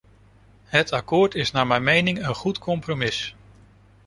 Het akkoord is naar mijn mening een goed compromis.